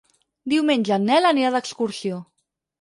Diumenge en Nel anirà d'excursió.